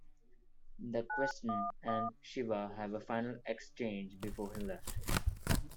The Question and Shiva have a final exchange before he left.